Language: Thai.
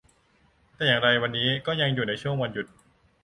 แต่อย่างไรวันนี้ก็ยังอยู่ในช่วงวันหยุด